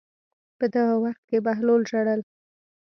په دغه وخت کې بهلول ژړل.